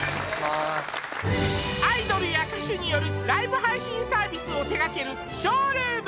アイドルや歌手によるライブ配信サービスを手がけるＳＨＯＷＲＯＯＭ